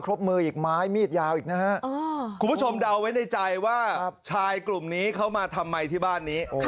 คุณผู้ชมดัวไว้ในใจว่าชายกลุ่มนี้เขามาทำไมที่บ้านนี้